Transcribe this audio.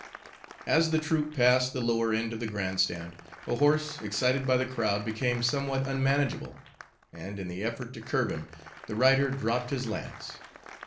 As the troop passed the lower end of the grand stand, a horse, excited by the crowd, became somewhat unmanageable, and in the effort to curb him, the rider dropped his lance.